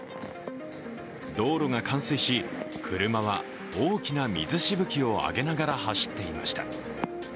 道路が冠水し、車は大きな水しぶきを上げながら走っていました。